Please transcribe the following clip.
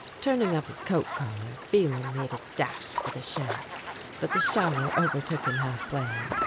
Turning up his coat collar Phelan made a dash for the shed, but the shower overtook him half way.